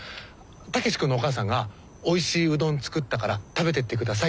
武志君のお母さんがおいしいうどん作ったから食べてってくださいって。